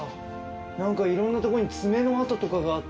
何かいろんなとこに爪の痕とかがあって。